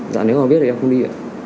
giả nếu họ biết thì em không đi